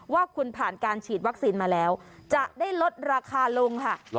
ว่าคุณผ่านการฉีดวัคซีนมาแล้วจะได้ลดราคาลงค่ะ